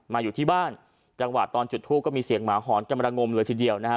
อยู่ที่บ้านจังหวะตอนจุดทูปก็มีเสียงหมาหอนกำลังงมเลยทีเดียวนะฮะ